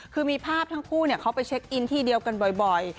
คือมีภาพทั้งคู่เขาไปเช็คอินที่เดียวกันบ่อย